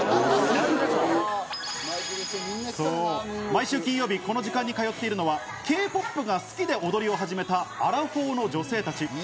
毎週金曜日、この時間に通っているのはＫ−ＰＯＰが好きで踊りを始めたアラフォーの女性たち。